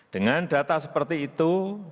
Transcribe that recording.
dengan data seperti itu